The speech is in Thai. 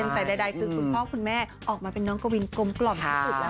แต่ใดคือคุณพ่อคุณแม่ออกมาเป็นน้องกวินกลมกล่อมที่สุดแล้ว